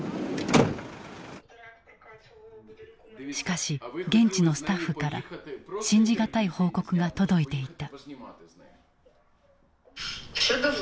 しかし現地のスタッフから信じ難い報告が届いていた。